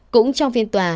cũng trong phiên tòa